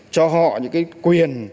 cho họ những quyền